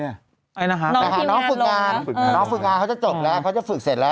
นี่ใช่นะฮะแต่หาน้องฝึกงานเค้าจะจบแล้วเค้าจะฝึกเสร็จแล้ว